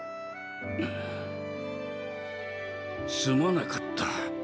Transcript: んすまなかった。